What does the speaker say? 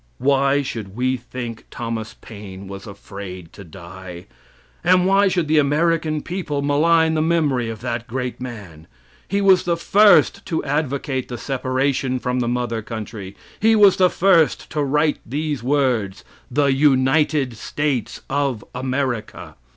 Why should we think Thomas Paine was afraid to die? and why should the American people malign the memory of that great man? He was the first to advocate the separation from the mother country. He was the first to write these words: "The United States of America."